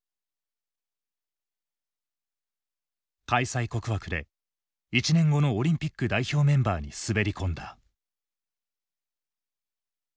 開催国枠で１年後のオリンピック代表メンバーに滑り込んだ。